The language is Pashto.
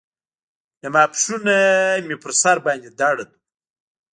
له ماسپښينه مې پر سر باندې درد و.